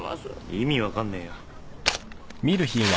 意味分かんねえよ。